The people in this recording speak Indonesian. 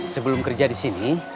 sebelum kerja di sini